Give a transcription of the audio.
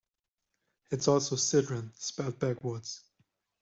It's also "Sidran" spelled backwards.